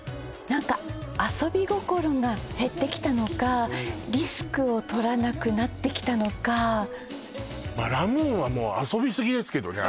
何か遊び心が減ってきたのかリスクを取らなくなってきたのかまあラ・ムーはもう遊びすぎですけどね